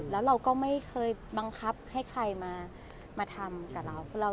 แล้วเราก็ไม่เคยบังคับให้ใครมาทำกับเรา